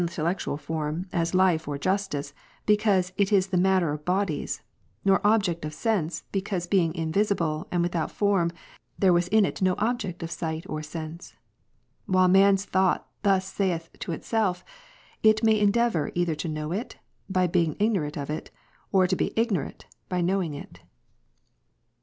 251 tellectual form, as life, or justice; because it is the matter of bodies; nor object of sense, because being invisible, and without form, there was in it no object of sight or sense ;"— while man's thought thus saith to itself, it may endeavour either to know it, by being ignorant of it ; or to be ignorant, by knowing it.